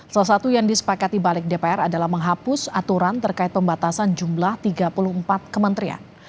salah satu yang disepakati balik dpr adalah menghapus aturan terkait pembatasan jumlah tiga puluh empat kementerian